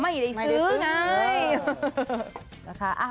ไม่ได้ซื้อไง